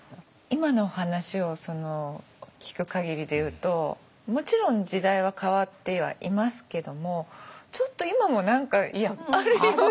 今の話を聞く限りで言うともちろん時代は変わってはいますけどもちょっと今も何かあるように。